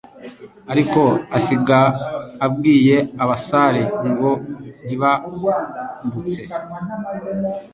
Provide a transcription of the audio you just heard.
ariko asiga abwiye abasare ngo ntibambutse